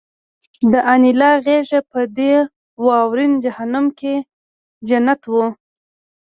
د انیلا غېږه په دې واورین جهنم کې جنت وه